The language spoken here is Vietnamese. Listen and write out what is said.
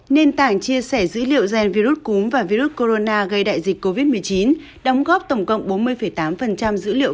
nền tảng chia sẻ dữ liệu gen virus cúm và virus corona gây đại dịch covid một mươi chín đóng góp tổng cộng bốn mươi tám dữ liệu